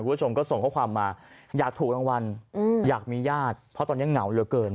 คุณผู้ชมก็ส่งข้อความมาอยากถูกรางวัลอยากมีญาติเพราะตอนนี้เหงาเหลือเกิน